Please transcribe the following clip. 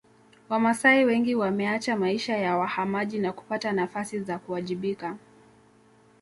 Wamasai wengi wameacha maisha ya wahamaji na kupata nafasi za kuwajibika